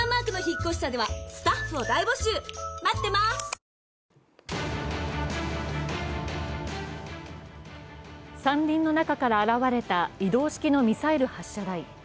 ニトリ山林の中から現れた移動式のミサイル発射台。